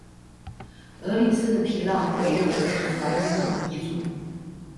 厄利斯的皮浪被认为是怀疑论鼻祖。